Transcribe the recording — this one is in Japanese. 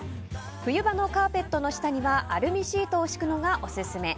冬場のカーペットの下にはアルミシートを敷くのがオススメ。